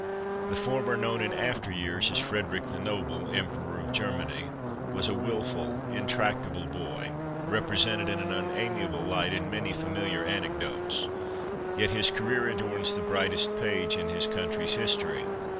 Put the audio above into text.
The former, known in after years as Frederic the Noble, Emperor of Germany, was a wilful, intractable boy, repre sented in an unamiable light in many familiar anec dotes, yet his career adorns the brightest page in his country's history.